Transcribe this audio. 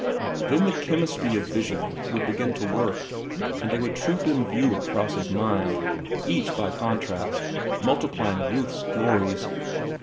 Then the chemistry of vision would begin to work, and they would troop in review across his mind, each, by contrast, multiplying Ruth's glories.